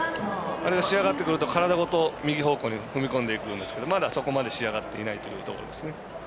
あれが仕上がってくると体ごと右方向に踏み込んでいくんですけどそこまで仕上がってないというところですね。